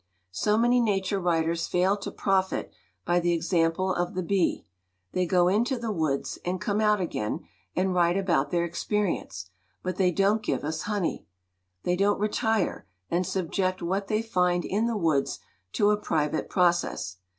"So many nature writers fail to profit by the example of the bee. They go into the woods and come out again and write about their experience but they don't give us honey. They don't re tire and subject what they find in the woods to a private process.